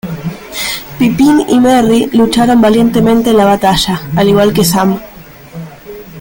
Pippin y Merry lucharon valientemente en la batalla, al igual que Sam.